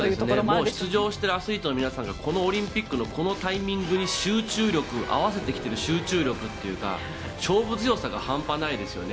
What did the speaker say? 出場しているアスリートの皆さんがこのオリンピックのこのタイミングに合わせてきている集中力というか勝負強さが半端ないですよね。